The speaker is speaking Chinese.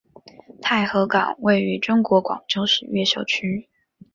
太和岗位于中国广州市越秀区。